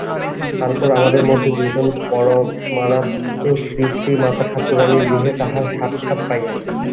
তারপর আমাদের মধ্যে দুইজন পরমারাধ্যা শ্রীশ্রীমাতাঠাকুরাণীর গৃহে তাঁহার সাক্ষাৎ পাইলেন।